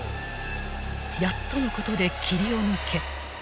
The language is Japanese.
［やっとのことで霧を抜け］